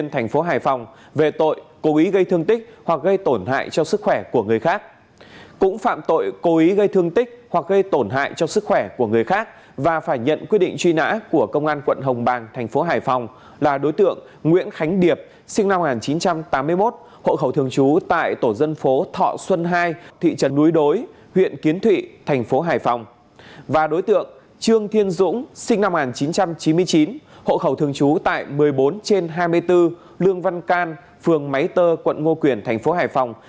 lương thiên dũng sinh năm một nghìn chín trăm chín mươi chín hộ khẩu thường trú tại một mươi bốn trên hai mươi bốn lương văn can phường máy tơ quận ngo quyền tp hải phòng